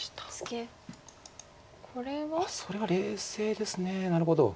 これは？それは冷静ですなるほど。